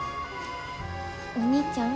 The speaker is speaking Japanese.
お兄ちゃん？